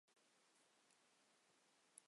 天主教巴科洛德教区位于此地。